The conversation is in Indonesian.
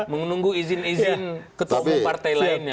menunggu izin izin ketua umum partai lainnya